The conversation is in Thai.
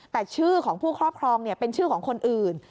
แต่ชื่อของผู้ครอบครองเป็นชื่อของคนอื่น